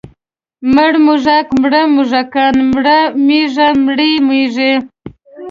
مړ موږک، مړه موږکان، مړه مږه، مړې مږې.